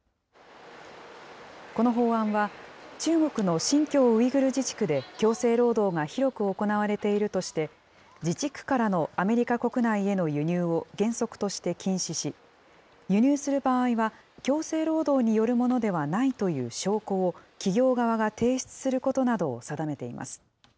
この法案は、中国の新疆ウイグル自治区で強制労働が広く行われているとして、自治区からのアメリカ国内への輸入を原則として禁止し、輸入する場合は、強制労働によるものではないという証拠を企業側が提出することなどを定めています。